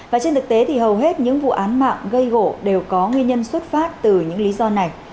và trên thực tế thì hầu hết những vụ án mạng gây gỗ đều có nguyên nhân xuất phát từ những lý do này